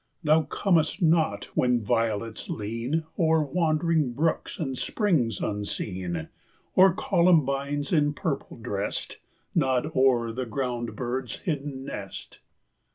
Thou comest not when violets lean O'er wandering brooks and springs unseen, Or columbines, in purple dressed, Nod o'er the ground bird's hidden nest.